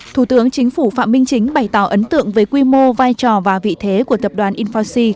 thủ tướng chính phủ phạm minh chính bày tỏ ấn tượng về quy mô vai trò và vị thế của tập đoàn infoxi